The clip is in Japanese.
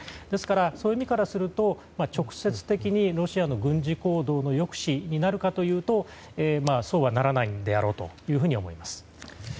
ですからそういう意味からすると直接的にロシアの軍事行動の抑止になるかというとそうはならないんであろうというふうに思います。